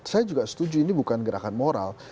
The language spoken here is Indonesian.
saya juga setuju ini bukan gerakan moral